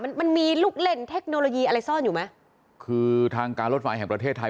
มันมันมีลูกเล่นเทคโนโลยีอะไรซ่อนอยู่ไหมคือทางการรถไฟแห่งประเทศไทย